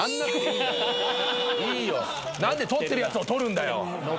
いいよ。何で撮ってるヤツを撮るんだよ！